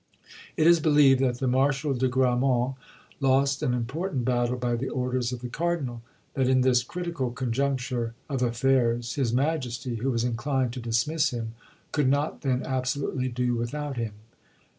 It is believed that the Marshal de Grammont lost an important battle by the orders of the cardinal; that in this critical conjuncture of affairs his majesty, who was inclined to dismiss him, could not then absolutely do without him.